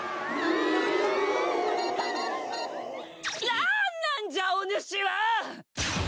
なーんなんじゃおぬしは！